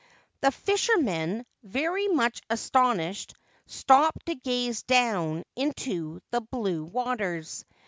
The fishermen, very much astonished, stopped to gaze down into the blue waters.